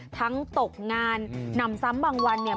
ตกงานนำซ้ำบางวันเนี่ย